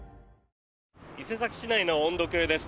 伊勢崎市内の温度計です。